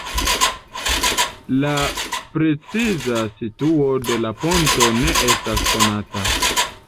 La preciza situo de la ponto ne estas konata.